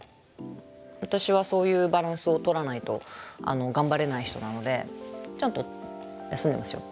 私はそういうバランスをとらないと頑張れない人なのでちゃんと休んでますよ。